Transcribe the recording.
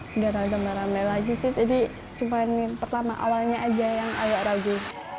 sudah agak ramai ramai lagi sih jadi cuma ini pertama awalnya saja yang agak ragu